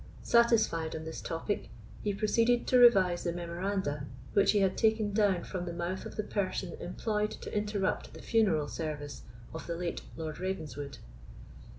Satisfied on this topic, he proceeded to revise the memoranda which he had taken down from the mouth of the person employed to interrupt the funeral service of the late Lord Ravenswood.